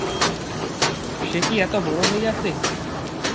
সে কি এত বড় হইয়াছে?